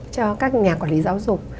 cho các nhà quản lý giáo dục